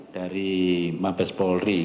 dari mabes polri